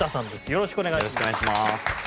よろしくお願いします。